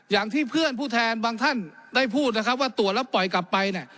อย่างที่เพื่อนผู้แทนบางท่านได้พูดนะครับว่าตรวจแล้วปล่อยกลับไปเนี่ย